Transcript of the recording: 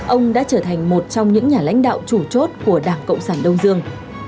ông đã trở thành một trong những nhà lãnh đạo chủ chốt của đảng cộng sản đông dương